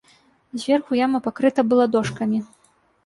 Зверху яма пакрыта была дошкамі.